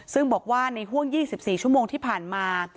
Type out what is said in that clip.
ซึ่งบอกว่าในห่วง๒๔ชั่วโมงที่ผ่านมา